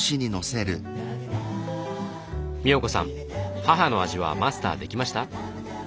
みおこさん母の味はマスターできました？